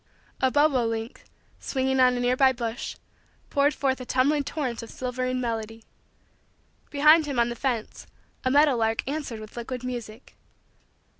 A bobo link, swinging on a nearby bush, poured forth a tumbling torrent of silvery melody. Behind him, on the fence, a meadow lark answered with liquid music.